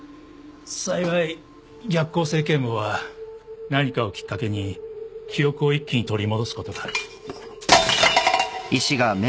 幸い逆向性健忘は何かをきっかけに記憶を一気に取り戻すことがある。